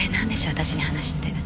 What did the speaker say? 私に話って。